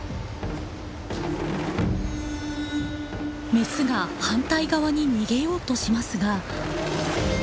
メスが反対側に逃げようとしますが。